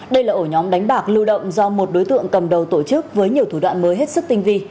đây là ổ nhóm đánh bạc lưu động do một đối tượng cầm đầu tổ chức với nhiều thủ đoạn mới hết sức tinh vi